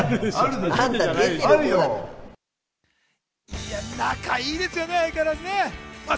いや、仲いいですよね相変わらず。